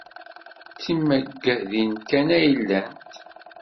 D timaggadin kan ay llant.